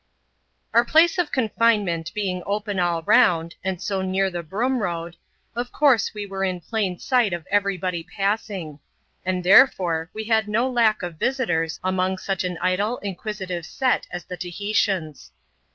(JB place of Confinement being open all round, and so near e Broom Road, of course we were in plain sight of every dj passing; and, therefore, we had no lack of visitors long such an idle, inquisitive set as the Tahitians.